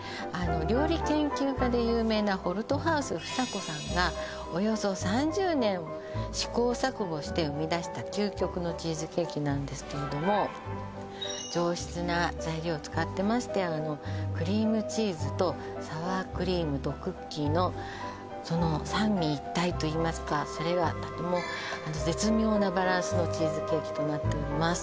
料理研究家で有名なホルトハウス房子さんがおよそ３０年試行錯誤して生み出した究極のチーズケーキなんですけれども上質な材料を使ってましてクリームチーズとサワークリームとクッキーのその三位一体といいますかそれがもう絶妙なバランスのチーズケーキとなっております